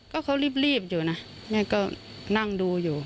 ก็เขารีบอยู่นะแม่ก็นั่งดูอยู่